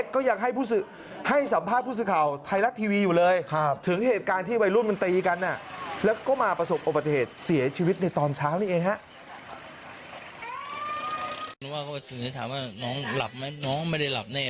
เขาถามว่าน้องลาบไหมน้องไม่ได้ลาบแน่